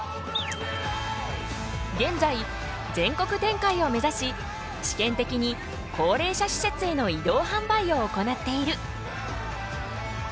現在全国展開を目指し試験的に高齢者施設への移動販売を行っている。